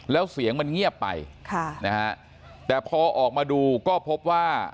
แล้วเสียงมันเงียบไปค่ะนะฮะแต่พอออกมาดูก็พบว่า